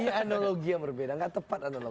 ini analogi yang berbeda nggak tepat analogi